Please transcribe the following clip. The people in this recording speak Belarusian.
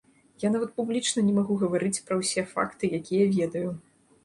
Я нават публічна не магу гаварыць пра ўсе факты, якія ведаю.